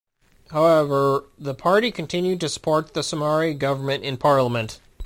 However, the party continued to support the Somare government in parliament.